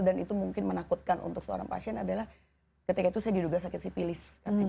dan itu mungkin menakutkan untuk seorang pasien adalah ketika itu saya diduga sakit sipilis